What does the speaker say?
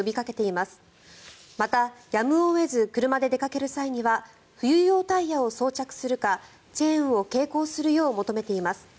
また、やむを得ず車で出かける際には冬用タイヤを装着するかチェーンを携行するよう求めています。